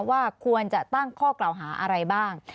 ว่าควรจะตั้งข้อกล่าวหาอะไรบ้าง